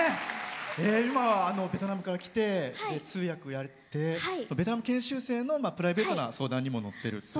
今、ベトナムから来て通訳をやってベトナムの研修生のプライベートな相談にも乗ってるっていう。